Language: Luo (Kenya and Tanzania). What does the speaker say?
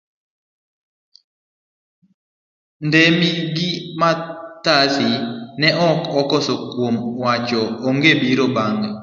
Ndemi gi Mathathi ne ok okoso kuom wacho ang'e biro bange.